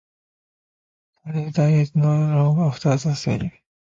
Strawbridge died not long after the sale.